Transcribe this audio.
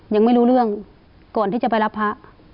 ยังไม่รู้เรื่องก่อนที่จะไปรับพระ